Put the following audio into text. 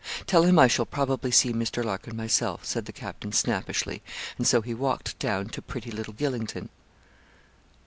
'Tell him I shall probably see Mr. Larkin myself,' said the captain, snappishly; and so he walked down to pretty little Gylingden.